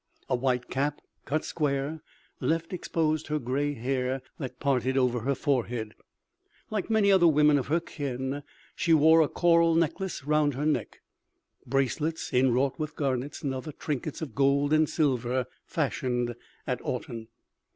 A white cap, cut square, left exposed her grey hair, that parted over her forehead. Like many other women of her kin, she wore a coral necklace round her neck, bracelets inwrought with garnets and other trinkets of gold and silver fashioned at Autun.